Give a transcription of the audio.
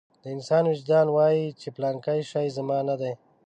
د انسان وجدان وايي چې پلانکی شی زما نه دی.